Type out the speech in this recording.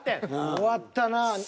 終わったなぁ。